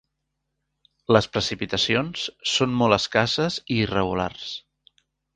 Les precipitacions són molt escasses i irregulars.